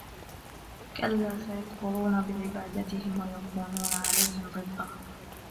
كَلَّا سَيَكْفُرُونَ بِعِبَادَتِهِمْ وَيَكُونُونَ عَلَيْهِمْ ضِدًّا